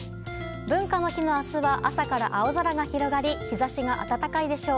文化の日の明日は朝から青空が広がり日差しが暖かいでしょう。